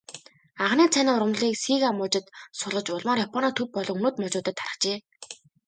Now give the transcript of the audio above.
Анхны цайны ургамлыг Сига мужид суулгаж, улмаар Японы төв болон өмнөд мужуудад тархжээ.